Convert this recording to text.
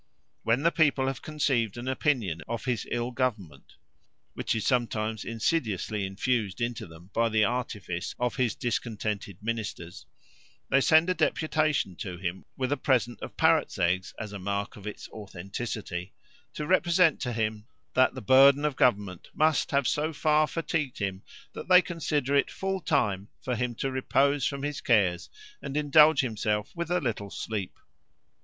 When the people have conceived an opinion of his ill government, which is sometimes insidiously infused into them by the artifice of his discontented ministers, they send a deputation to him with a present of parrots' eggs, as a mark of its authenticity, to represent to him that the burden of government must have so far fatigued him that they consider it full time for him to repose from his cares and indulge himself with a little sleep.